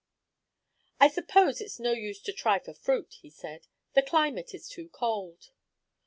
"I suppose it's no use to try for fruit," he said; "the climate is too cold."